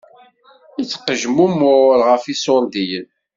Ittqejmumuṛ ɣef iṣuṛdiyen.